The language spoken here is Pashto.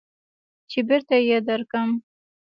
چې بېرته يې درکم.